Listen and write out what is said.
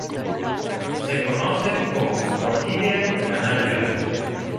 Se conoce como "orquídea canaria".